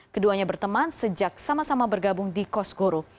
keduanya berteman sejak sama sama bergabung di kosgoro